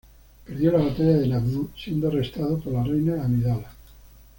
Perdió la batalla de Naboo, siendo arrestado por la Reina Amidala.